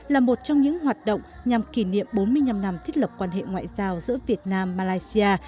là một trong những hoạt động nhằm kỷ niệm bốn mươi năm năm thiết lập quan hệ ngoại giao giữa việt nam malaysia